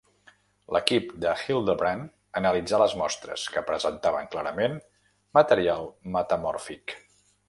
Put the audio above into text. L'equip d'Hildebrand analitzà les mostres, que presentaven clarament material metamòrfic.